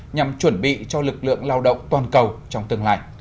nhằm chuẩn bị cho lực lượng lao động toàn cầu trong tương lai